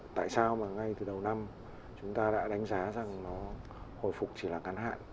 tại sao mà ngay từ đầu năm chúng ta đã đánh giá rằng nó hồi phục chỉ là ngắn hạn